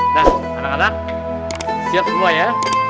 nah anak anak siap semua ya